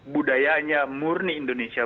budayanya murni indonesia